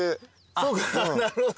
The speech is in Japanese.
そっかなるほど。